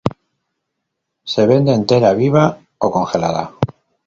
Se vende entera, viva o congelada.